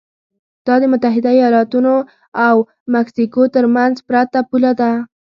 دا د متحده ایالتونو او مکسیکو ترمنځ پرته پوله ده.